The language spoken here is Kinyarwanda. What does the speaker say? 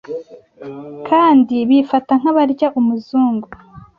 kandi bifata nk'abaramya umuzungu